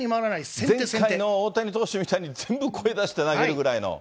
先手先手の大谷投手みたいに、全部声出して投げるくらいの。